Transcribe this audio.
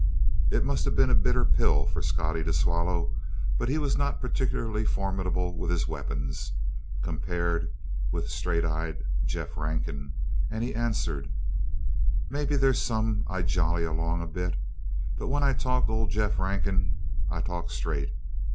It must have been a bitter pill for Scottie to swallow, but he was not particularly formidable with his weapons, compared with straight eyed Jeff Rankin, and he answered: "Maybe there's some I jolly along a bit, but, when I talk to old Jeff Rankin, I talk straight.